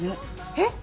えっ？